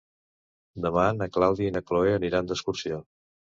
Demà na Clàudia i na Cloè aniran d'excursió.